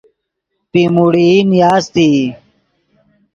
پیموڑئی نیاستئی